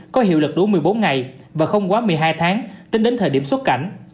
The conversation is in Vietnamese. có hiệu lực đủ một mươi bốn ngày và không quá một mươi hai tháng tính đến thời điểm xuất cảnh